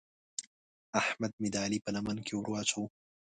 احمد مې د علي په لمن کې ور واچاوو.